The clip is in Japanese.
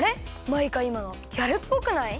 マイカいまのギャルっぽくない？